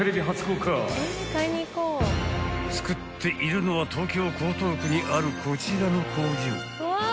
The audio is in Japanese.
［造っているのは東京江東区にあるこちらの工場］